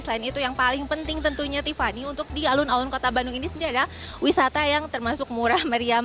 selain itu yang paling penting tentunya tiffany untuk di alun alun kota bandung ini sendiri adalah wisata yang termasuk murah meriam